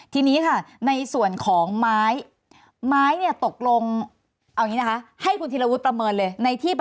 ที่นี้ค่ะในส่วนของไม้ไม้เนี่ยตกลงแห่งให้คุณธิระวุฒิประเมินเลย